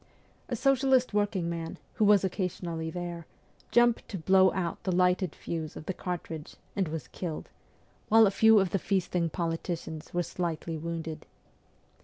A socialist working man, who was occa sionally there, jumped to blow out the lighted fuse of the cartridge, and was killed, while a few of the feast ing politicians were slightly wounded.